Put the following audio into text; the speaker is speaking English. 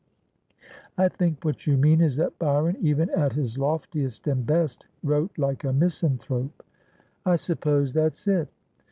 ' I think what you mean is that Byron, even at his loftiest and best, wrote like a misanthrope.' ' I suppose that's it.